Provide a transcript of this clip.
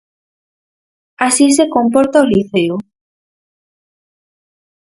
Así se comporta o Liceo.